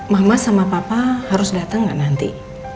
mama sama papa harus dateng gak nanti